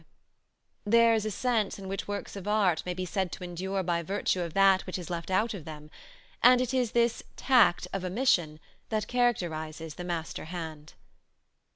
_ There is a sense in which works of art may be said to endure by virtue of that which is left out of them, and it is this "tact of omission" that characterizes the master hand.